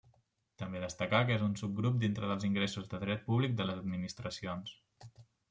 També destacar que és un subgrup dintre dels ingressos de dret públic de les administracions.